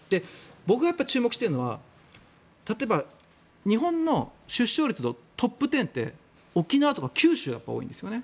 僕が注目しているのは例えば、日本の出生率のトップ１０って沖縄とか九州が多いんですよね。